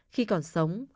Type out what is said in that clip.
khi còn sống